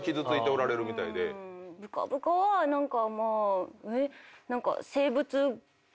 ぶかぶかは何かまあ。